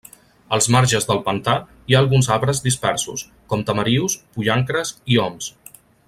Als marges del pantà hi ha alguns arbres dispersos, com tamarius, pollancres i oms.